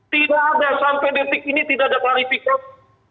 tidak ada sampai detik ini tidak ada klarifikasi